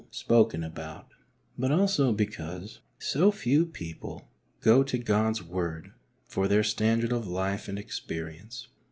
spoken about, but also because so few people go to God's Word for their standard of life and experience.